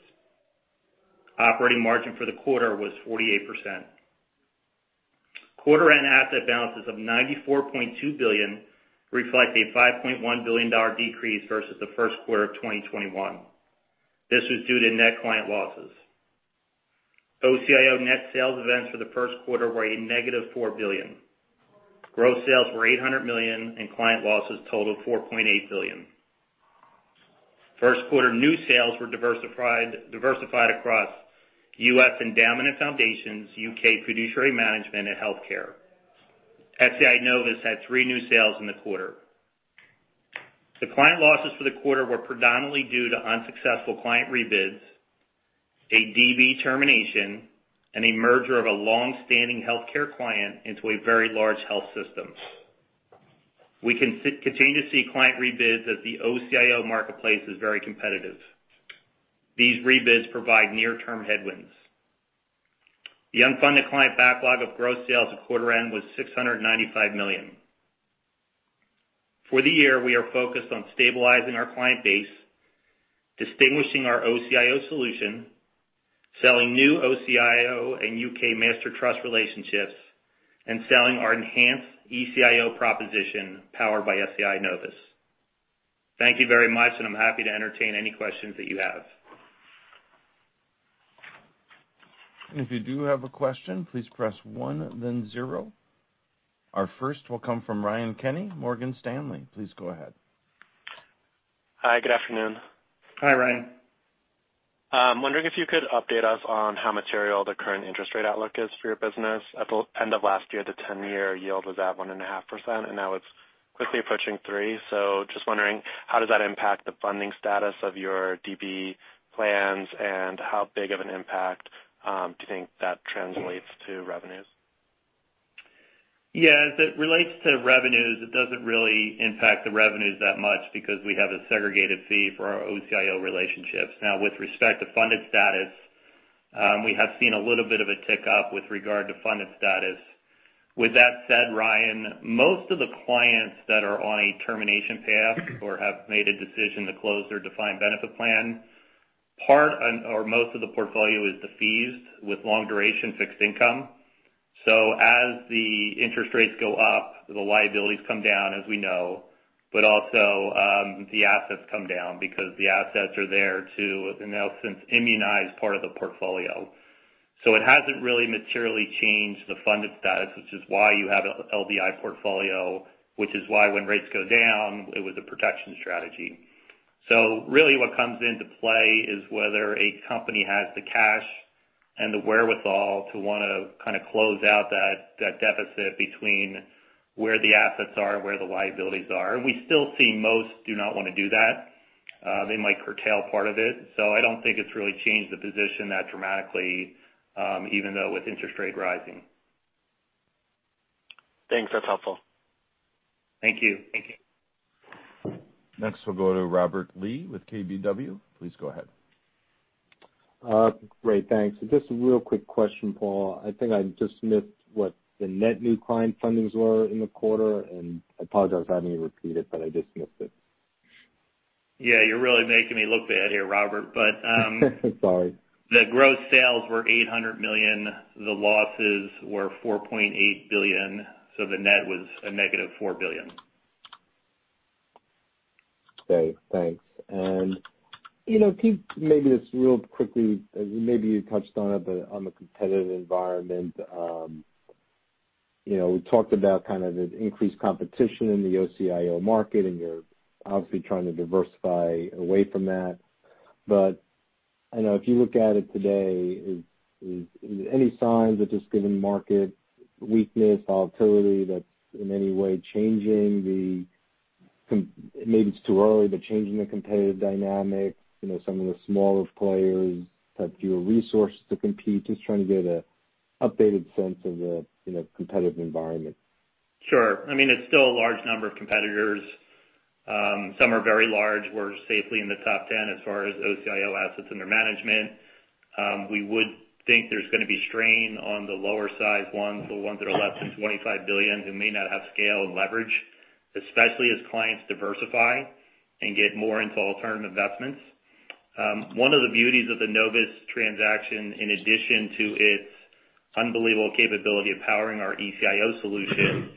Operating margin for the quarter was 48%. Quarter-end asset balances of $94.2 billion reflect a $5.1 billion decrease versus the first quarter of 2021. This was due to net client losses. OCIO net sales events for the first quarter were -$4 billion. Gross sales were $800 million, and client losses totaled $4.8 billion. First quarter new sales were diversified across U.S. endowment and foundations, U.K. fiduciary management, and healthcare. SEI Novus had three new sales in the quarter. The client losses for the quarter were predominantly due to unsuccessful client rebids, a DB termination, and a merger of a long-standing healthcare client into a very large health systems. We continue to see client rebids as the OCIO marketplace is very competitive. These rebids provide near-term headwinds. The unfunded client backlog of gross sales at quarter end was $695 million. For the year, we are focused on stabilizing our client base, distinguishing our OCIO solution, selling new OCIO and U.K. master trust relationships, and selling our enhanced ECIO proposition powered by SEI Novus. Thank you very much, and I'm happy to entertain any questions that you have. Our first question will come from Ryan Kenny, Morgan Stanley. Please go ahead. Hi, good afternoon. Hi, Ryan. I'm wondering if you could update us on how material the current interest rate outlook is for your business? At the end of last year, the 10-year yield was at 1.5%, and now it's quickly approaching 3%. Just wondering, how does that impact the funding status of your DB plans and how big of an impact do you think that translates to revenues? Yeah, as it relates to revenues, it doesn't really impact the revenues that much because we have a segregated fee for our OCIO relationships. Now, with respect to funded status, we have seen a little bit of a tick up with regard to funded status. With that said, Ryan, most of the clients that are on a termination path or have made a decision to close their defined benefit plan, part or most of the portfolio is defeased with long duration fixed income. As the interest rates go up, the liabilities come down, as we know, but also, the assets come down because the assets are there to in essence immunize part of the portfolio. It hasn't really materially changed the funded status, which is why you have a LDI portfolio, which is why when rates go down, it was a protection strategy. Really what comes into play is whether a company has the cash and the wherewithal to wanna kinda close out that deficit between where the assets are and where the liabilities are. We still see most do not wanna do that. They might curtail part of it. I don't think it's really changed the position that dramatically, even though with interest rates rising. Thanks. That's helpful. Thank you. Thank you. Next, we'll go to Robert Lee with KBW. Please go ahead. Great, thanks. Just a real quick question, Paul. I think I just missed what the net new client fundings were in the quarter, and I apologize if I had you repeat it, but I just missed it. Yeah, you're really making me look bad here, Robert. Sorry. The gross sales were $800 million. The losses were $4.8 billion. The net was a negative $4 billion. Okay, thanks. You know, can you maybe this really quickly, maybe you touched on it, but on the competitive environment, you know, we talked about kind of the increased competition in the OCIO market, and you're obviously trying to diversify away from that. But I know if you look at it today, is any signs of just given market weakness, volatility that's in any way changing the competitive, maybe it's too early, but changing the competitive dynamics, you know, some of the smaller players have fewer resources to compete. Just trying to get an updated sense of the, you know, competitive environment. Sure. I mean, it's still a large number of competitors. Some are very large. We're safely in the top 10 as far as OCIO assets under management. We would think there's gonna be strain on the lower size ones, the ones that are less than $25 billion who may not have scale and leverage, especially as clients diversify and get more into alternative investments. One of the beauties of the Novus transaction, in addition to its unbelievable capability of powering our ECIO solution,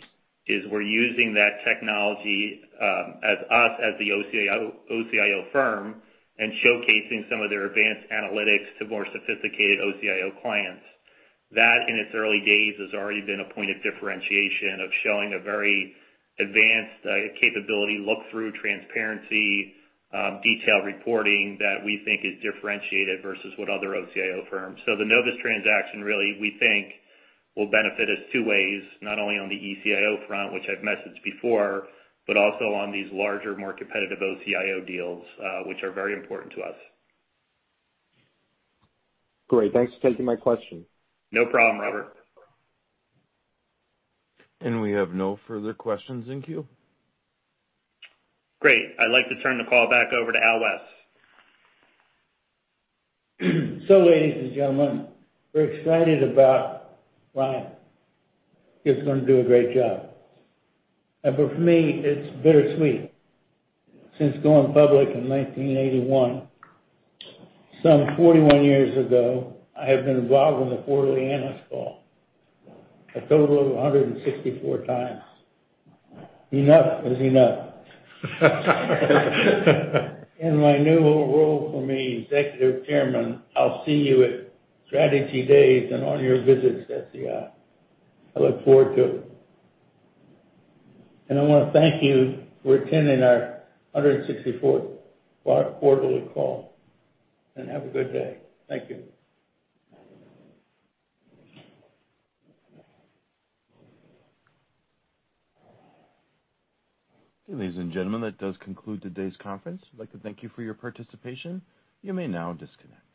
is we're using that technology as the OCIO firm and showcasing some of their advanced analytics to more sophisticated OCIO clients. That, in its early days, has already been a point of differentiation of showing a very advanced capability look through transparency, detailed reporting that we think is differentiated versus what other OCIO firms. The Novus transaction really, we think, will benefit us two ways, not only on the ECIO front, which I've mentioned before, but also on these larger, more competitive OCIO deals, which are very important to us. Great. Thanks for taking my question. No problem, Robert. We have no further questions in queue. Great. I'd like to turn the call back over to Al West. Ladies and gentlemen, we're excited about Ryan. He's gonna do a great job. For me, it's bittersweet. Since going public in 1981, some 41 years ago, I have been involved in the quarterly analyst call, a total of 164 times. Enough is enough. In my new role for me, Executive Chairman, I'll see you at Strategy Days and on your visits at SEI. I look forward to it. I wanna thank you for attending our 164th quarterly call, and have a good day. Thank you. Ladies and gentlemen, that does conclude today's conference. I'd like to thank you for your participation. You may now disconnect.